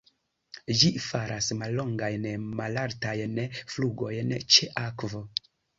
Ĝi faras mallongajn malaltajn flugojn ĉe akvo.